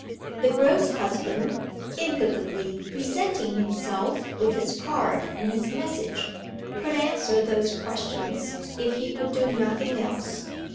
The gross husband, impudently presenting himself with his card and his message, could answer those questions if he could do nothing else.